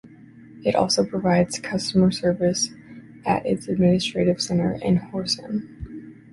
It also provides customer services at its administrative centre in Horsham.